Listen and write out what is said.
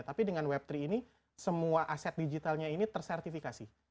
tapi dengan web tiga ini semua aset digitalnya ini tersertifikasi